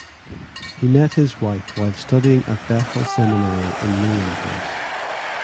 He met his wife while studying at Bethel Seminary in Minneapolis.